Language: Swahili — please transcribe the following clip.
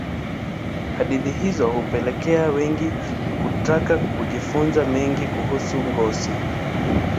hadithi hizo hupelekea wengi kutaka kujifunza mengi kuhusu ngosi